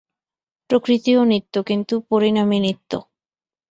প্রকৃতিও নিত্য, কিন্তু পরিণামী নিত্য।